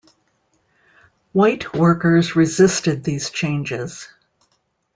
White workers resisted these changes.